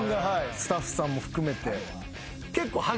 スタッフさんも含めて。